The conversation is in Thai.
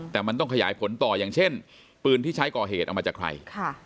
แต่มันต้องขยายผลต่ออย่างเช่นปืนที่ใช้ก่อเหตุเอามาจากใคร